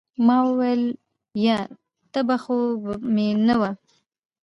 ما وويل يه تبه خو مې نه وه.